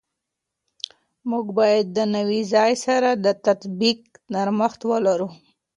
موږ باید د نوي ځای سره د تطابق نرمښت ولرو.